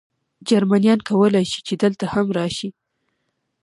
جرمنیان کولای شي، چې دلته هم راشي.